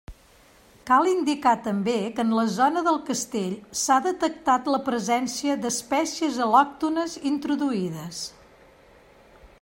Cal indicar també que en la zona del Castell s'ha detectat la presència d'espècies al·lòctones introduïdes.